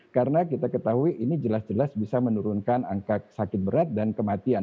karena kita ketahui ini jelas jelas bisa menurunkan angka sakit berat dan kematian